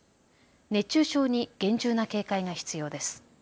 熱中症に厳重な警戒が必要です。